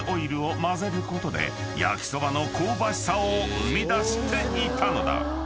［焼そばの香ばしさを生み出していたのだ］